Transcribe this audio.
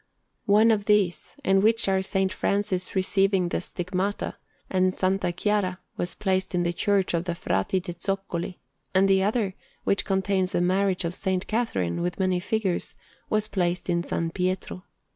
One of these, in which are S. Francis receiving the Stigmata, and S. Chiara, was placed in the Church of the Frati de' Zoccoli; and the other, which contains a Marriage of S. Catharine, with many figures, was placed in S. Piero.